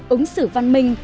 ứng sự văn minh